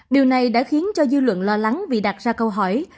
điều này đã khiến cho dư luận lo lắng vì đặt ra câu hỏi